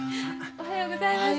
おはようございます。